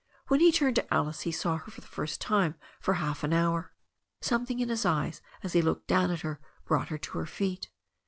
When he turned to Alice he saw her for the first time for half an hour. Something in his eyes as he looked down at her brought her to her feet.